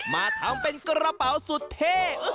มาทำเป็นกระเป๋าสุดเท่